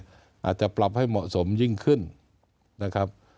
อาจจะปรับให้เหมาะสมยิ่งขึ้นนะครับ